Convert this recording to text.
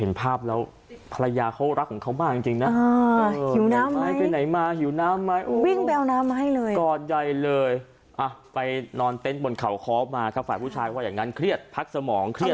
น้ำเรานำเสนอข่าวที่สามีเขาหายออกจากบ้านไปแล้วสามีชอบดูข่าวที่สามีเขาหายออกจากบ้านไปแล้ว